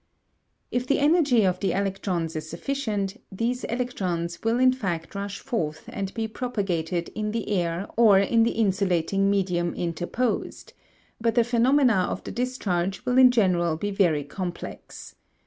If the energy of the electrons is sufficient, these electrons will in fact rush forth and be propagated in the air or in the insulating medium interposed; but the phenomena of the discharge will in general be very complex.